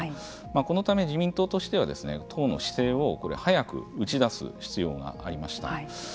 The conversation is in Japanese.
このため、自民党としては党の姿勢を早く打ち出す必要がありました。